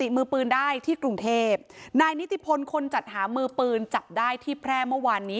มือปืนได้ที่กรุงเทพนายนิติพลคนจัดหามือปืนจับได้ที่แพร่เมื่อวานนี้